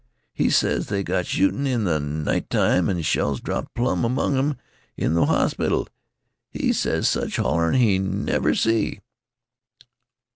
He ses they got shootin' in th' night time, an' shells dropped plum among 'em in th' hospital. He ses sech hollerin' he never see."